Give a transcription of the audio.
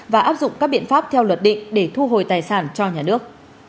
và áp dụng các biện pháp theo luật định để thu hồi tài sản cho nhà nước